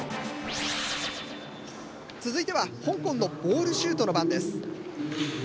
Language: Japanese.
続いては香港のボールシュートの番です。